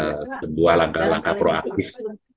sebuah langkah langkah proaktif